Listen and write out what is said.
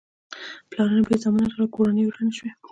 پلرونه بې زامنو شول او کورنۍ ورانې شوې.